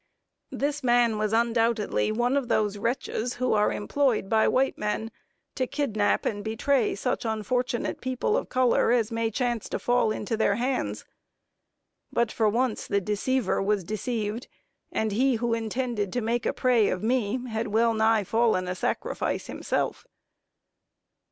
This man was undoubtedly one of those wretches who are employed by white men to kidnap and betray such unfortunate people of color as may chance to fall into their hands but for once the deceiver was deceived, and he who intended to make prey of me, had well nigh fallen a sacrifice himself.